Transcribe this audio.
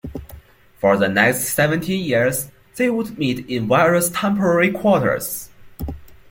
For the next seventeen years they would meet in various temporary quarters.